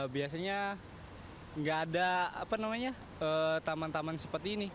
biasanya nggak ada taman taman seperti ini